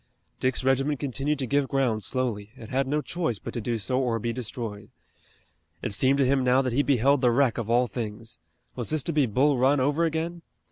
Dick's regiment continued to give ground slowly. It had no choice but to do so or be destroyed. It seemed to him now that he beheld the wreck of all things. Was this to be Bull Run over again?